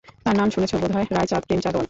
তার নাম শুনেছ বোধ হয়–রায়চাঁদ-প্রেমচাঁদ-ওয়ালা।